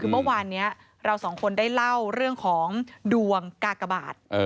คือเมื่อวานนี้เราสองคนได้เล่าเรื่องของดวงกากบาท